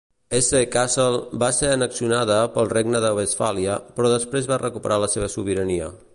Hesse-Kassel va ser annexionada pel Regne de Westfàlia, però després va recuperar la seva sobirania.